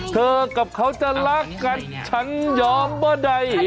เธอกับเขาจะรักกันฉันยอมป่ะใด